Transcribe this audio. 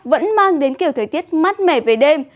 vẫn mang đến kiểu thời tiết mát mẻ về đêm